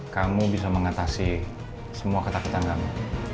kamu bisa mengatasi semua ketakutan kamu